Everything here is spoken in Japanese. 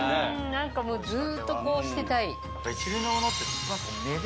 何かもうずっとこうしてたい。